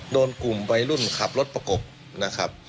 โดนกลุ่มวัยรุ่นขับรถประกบนะครับ